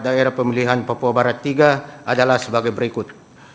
daerah pemilihan papua barat tiga adalah sebagai berikut